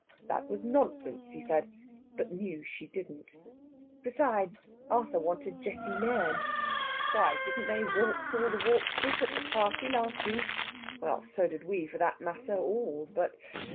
That was nonsense, he said. She knew she didn't. Besides, Arthur wanted Jessie Nairn. Why, didn't they waltz all the waltzes at the party last week?... Well, so did we, for that matter, all but....